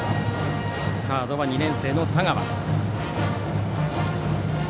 サードは２年生の田川。